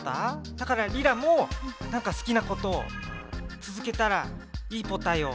だからリラもなんか好きなことを続けたらいいポタよ。